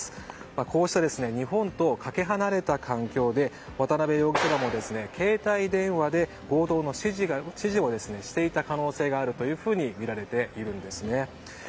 こうした日本とかけ離れた環境で渡辺容疑者らも携帯電話で強盗の指示をしていた可能性もあるとみられているんですね。